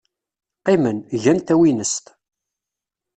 Qqimen, gan tawinest.